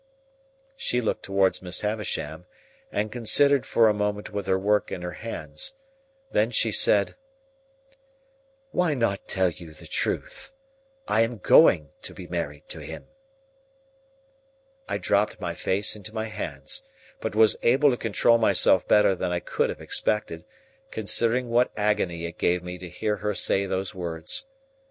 She looked towards Miss Havisham, and considered for a moment with her work in her hands. Then she said, "Why not tell you the truth? I am going to be married to him." I dropped my face into my hands, but was able to control myself better than I could have expected, considering what agony it gave me to hear her say those words.